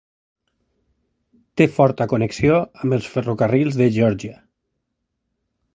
Té forta connexió amb els ferrocarrils de Geòrgia.